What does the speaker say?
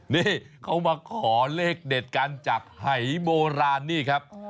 นี่เขามาขอเลขเด็ดกันจากหายโบราณนี่ครับ